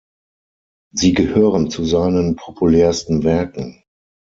Sie gehören zu seinen populärsten Werken.